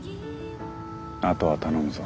あとは頼むぞ。